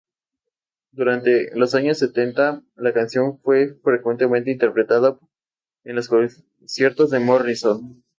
Durante los años setenta, la canción fue frecuentemente interpretada en los conciertos de Morrison.